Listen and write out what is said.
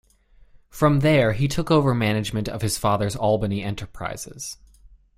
From there he took over management of his father's Albany enterprises.